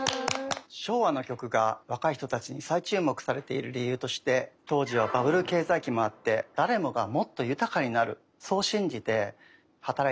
昭和の曲が若い人たちに再注目されている理由として当時はバブル経済期もあって誰もがもっと豊かになるそう信じて働いていた時代だった。